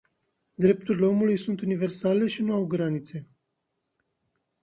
Drepturile omului sunt universale și nu au granițe.